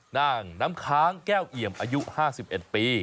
น้ำค้างแก้วเอี่ยมอายุ๕๑ปี